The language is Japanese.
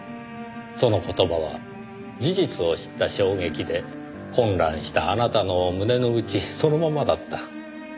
その言葉は事実を知った衝撃で混乱したあなたの胸の内そのままだった。